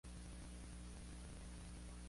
Su capital es la homónima Lípetsk.